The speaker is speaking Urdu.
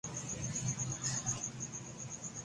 اب ان سوالوں کے جواب ہمیں شریعت سے نہیں ملیں گے۔